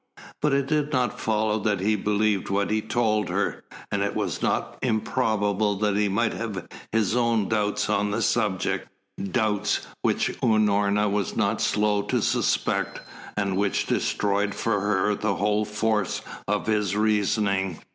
But it did not follow that he believed what he told her, and it was not improbable that he might have his own doubts on the subject doubts which Unorna was not slow to suspect, and which destroyed for her the whole force of his reasoning.